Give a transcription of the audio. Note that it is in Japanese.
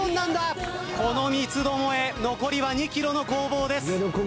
この三つどもえ残りは２ｋｍの攻防です。